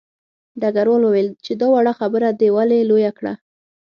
ډګروال وویل چې دا وړه خبره دې ولې لویه کړه